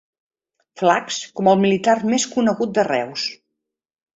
Flacs com el militar més conegut de Reus.